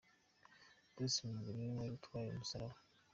Bruce Melody ni we wari utwaye umusaraba.